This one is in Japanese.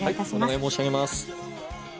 お願い申し上げます。